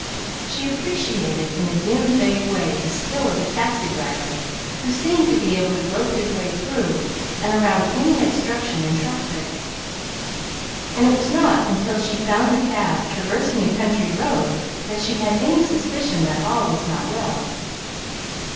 She appreciated in a dim, vague way the skill of the taxi driver, who seemed to be able to grope his way through and around any obstruction of traffic; and it was not until she found the cab traversing a country road that she had any suspicion that all was not well.